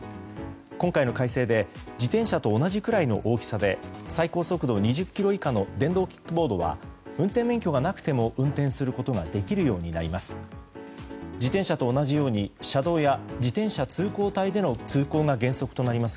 今回の改正で自転車と同じくらいの大きさで最高速度２０キロ以下の電動キックボードは運転免許がなくても運転することができるようになります。